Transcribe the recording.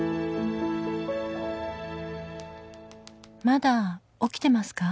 「まだ起きてますか？」